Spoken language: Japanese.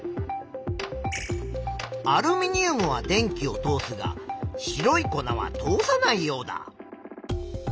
アルミニウムは電気を通すが白い粉は通さないヨウダ。